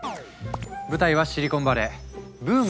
舞台はシリコンバレー。